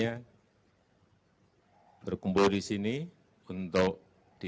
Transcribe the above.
saya berkumpul di sini untuk di